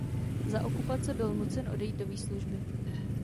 Za okupace byl nucen odejít do výslužby.